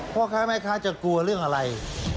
พ่อค้าแม่ค้าจะกลัวเรื่องอะไร